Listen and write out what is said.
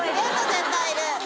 絶対いる。